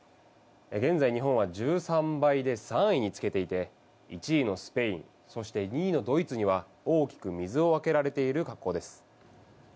現在、日本は１３倍で３位につけていて１位のスペインそして２位のドイツには大きく水をあけられている格好です。